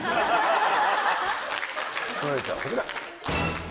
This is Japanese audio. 続いてはこちら。